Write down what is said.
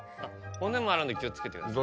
骨もあるんで気を付けてください。